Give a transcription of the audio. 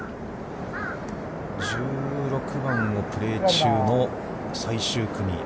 １６番をプレー中の最終組。